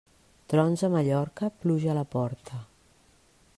Trons a Mallorca, pluja a la porta.